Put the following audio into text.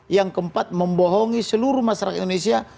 yang keempat membohongi seluruh masyarakat indonesia